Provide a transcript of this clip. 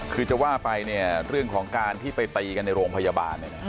คือจะว่าไปเนี่ยเรื่องของการที่ไปตีกันในโรงพยาบาล